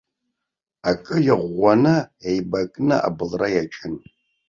Акы иӷәӷәаны еибакны абылра иаҿын.